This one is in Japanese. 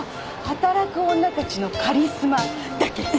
「働く女たちのカリスマ」だっけ？